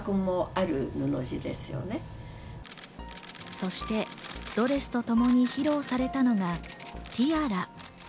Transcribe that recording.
そしてドレスとともに披露されたのがティアラ。